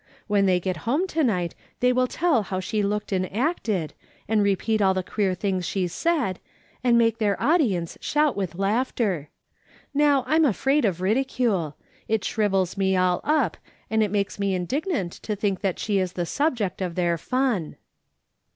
When tliey get home to night they will tell how she looked and acted, and repeat all the queer things she said, and make their audience shout with laughter. Now, I'm afraid of ridicule : it shrivels me all up, and it makes me indignant to think that she is the subject of their fun."